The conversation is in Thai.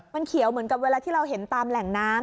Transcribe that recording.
มันเขียวเหมือนกับเวลาที่เราเห็นตามแหล่งน้ำ